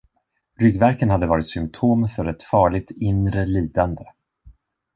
Ryggvärken hade varit symtom för ett farligt inre lidande.